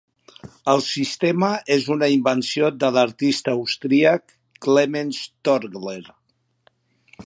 El sistema és una invenció de l'artista austríac Klemens Torggler.